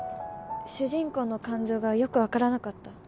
主人公の感情がよく分からなかった